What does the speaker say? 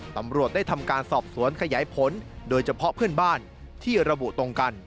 ตำรวจได้ทำการสอบสวนขยายผลโดยเฉพาะเพื่อนบ้านที่ระบุตรงกัน